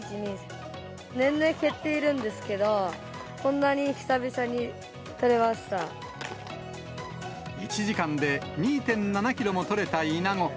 年々減っているんですけど、１時間で２．７キロも取れたイナゴ。